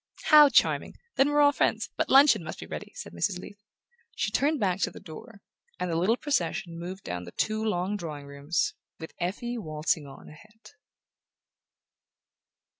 "How charming! Then we're all friends. But luncheon must be ready," said Mrs. Leath. She turned back to the door, and the little procession moved down the two long drawing rooms, with Effie waltzing on ahead.